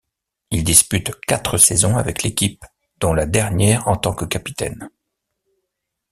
Il dispute quatre saisons avec l'équipe dont la dernière en tant que capitaine.